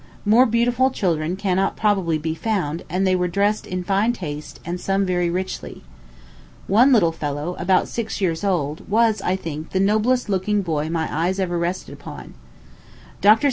More beautiful children cannot probably be found; and they were dressed in fine taste, and some very richly. One little fellow, about six years old, was, I think, the noblest looking boy my eyes ever rested upon. Dr.